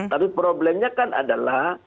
tapi problemnya kan adalah